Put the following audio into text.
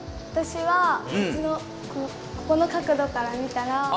わたしはこの角度から見たら。